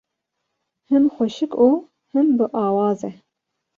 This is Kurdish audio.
Him xweşik û him biawaz e.